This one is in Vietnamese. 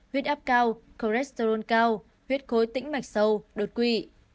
huyết áp cao cholesterol cao huyết khối tĩnh mạch sâu đột quỵ